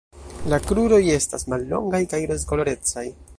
La kruroj estas mallongaj kaj rozkolorecaj.